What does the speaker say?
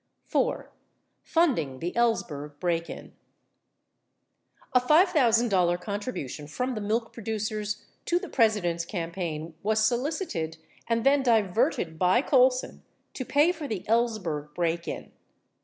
4. FUNDING THE ELLSBERG BREAK IN A $5,000 contribution from the milk producers to the President's campaign was solicited and then diverted by Colson to pay for the Ellsberg break in.